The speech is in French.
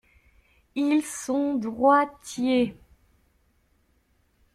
Ils sont droitiers.